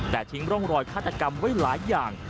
แต่ทิ้งร่องรอยฆาตกรรมไว้หลายอย่าง